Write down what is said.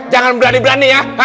jangan berani berani ya